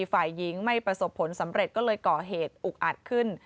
ฝ่ายหญิงไม่ประสบผลสำเร็จก็เลยก่อเหตุอุกอัดขึ้น